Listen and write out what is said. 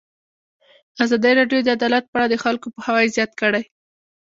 ازادي راډیو د عدالت په اړه د خلکو پوهاوی زیات کړی.